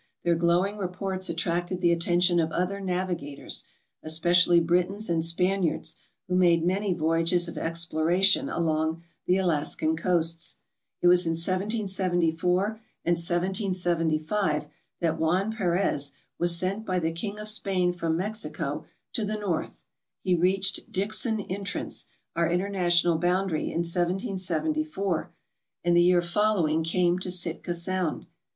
Their glowing reports attracted the attention of other navigators, especially Britons and Spaniards, who made many voyages of exploration along the Alaskan coasts. It was in 1774 and 1775 that Juan Perez was sent by the King of Spain from Mexico to the north. He reached Dixon Entrance, our international boundary, in 1774, and the year following came to Sitka Sound.